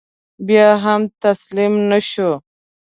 بیا هم تسلیم نه شو.